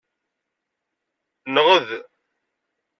Nɣed.